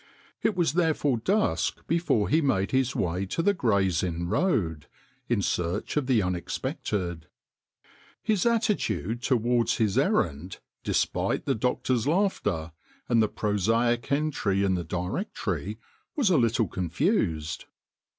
It was therefore dusk before he made his way to the Gray's Inn Road in search of the unexpected. His attitude towards his errand despite the 174 THE COFFIN MERCHANT doctor's laughter and the prosaic entry in the directory, was a little confused.